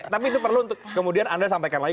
tapi itu perlu untuk kemudian anda sampaikan lagi